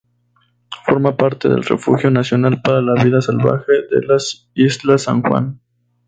Forma parte del Refugio Nacional para la Vida Salvaje de las Islas San Juan.